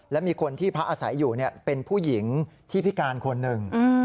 และมีคนที่พักอาศัยอยู่เป็นผู้หญิงที่พิการคนหนึ่ง